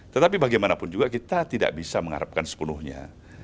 tetapi bagaimanapun juga kita tidak bisa mengharapkan sepenuhnya